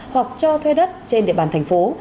hoặc cho thuê đất trên địa bàn thành phố